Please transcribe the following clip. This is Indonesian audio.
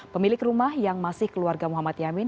pemilik rumah yang masih keluarga muhammad yamin